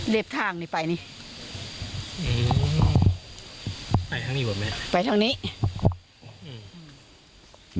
เด็ดทางนี่ไปนี่อืมไปทางนี้กว่าไหมไปทางนี้อืม